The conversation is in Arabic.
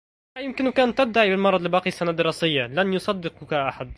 لا يمكنك أن تدّعي بالمرض لباقي السنة الدّراسية. لن يصدّقك أحد.